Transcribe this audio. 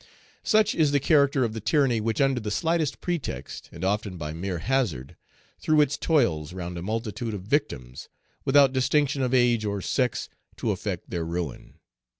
Such is the character of the tyranny which under the slightest pretext and often by mere hazard, threw its toils round a multitude Page 262 of victims without distinction of age or sex to effect their ruin.